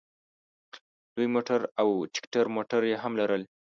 لوی موټر او ټیکټر موټر یې هم لرل.